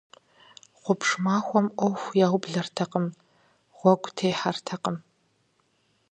Гъубж махуэм Ӏуэху яублэртэкъым, гъуэгу техьэртэкъым.